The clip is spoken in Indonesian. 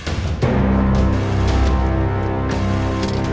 haruslah berbicara beauty star fala diertosomo